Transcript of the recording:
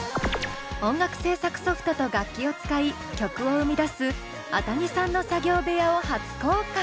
音楽制作ソフトと楽器を使い曲を生み出すａｔａｇｉさんの作業部屋を初公開！